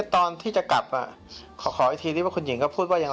เอ๊ะตอนที่จะกลับอ่ะขอขออีกทีที่ว่าคุณหญิงเขาพูดว่ายัง